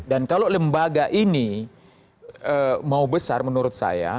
dan kalau lembaga ini mau besar menurut saya